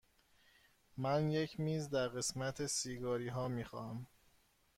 من یک میز در قسمت سیگاری ها می خواهم.